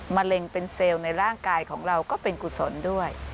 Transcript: มะเร็งเป็นเซลล์ในร่างกายของเราก็เป็นกุศลด้วย